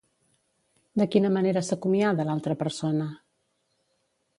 De quina manera s'acomiada l'altra persona?